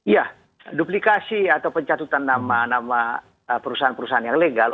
ya duplikasi atau pencatutan nama nama perusahaan perusahaan yang legal